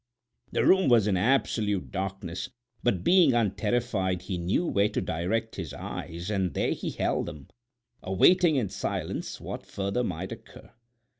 The room was in absolute darkness, but being unterrified he knew where to direct his eyes, and there he held them, awaiting in silence what further might occur.